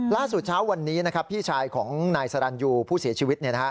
เช้าวันนี้พี่ชายของนายสรรยูผู้เสียชีวิต